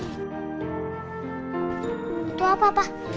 itu apa pa